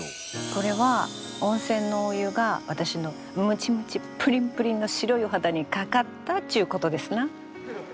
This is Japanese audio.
これは温泉のお湯が私のムチムチプリンプリンの白いお肌にかかったっちゅうことですな。